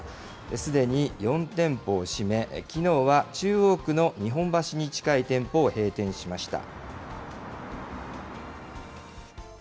すでに４店舗を閉め、きのうは中央区の日本橋に近い店舗を閉店しました。